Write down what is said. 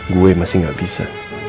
gue masih gak bisa